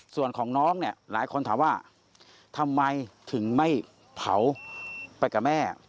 ส่วนของน้องเนี่ยหลายคนถามว่าทำไมถึงไม่เผาไปกับแม่